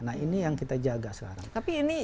nah ini yang kita jaga sekarang tapi ini